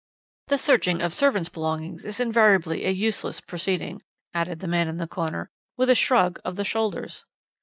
"The searching of servants' belongings is invariably a useless proceeding," added the man in the corner, with a shrug of the shoulders.